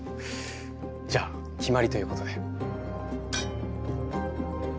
じゃあ決まりということで。